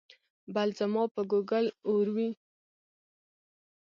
بل ځما په ګوګل اور وي